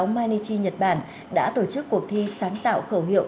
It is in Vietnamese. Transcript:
một trường hợp